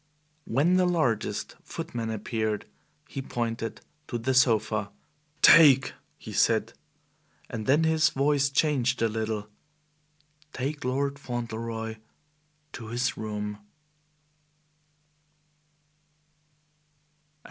When the largest footman appeared, he pointed to the sofa. "Take" he said, and then his voice changed a little "take Lord Fauntleroy to his room."